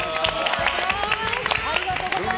ありがとうございます。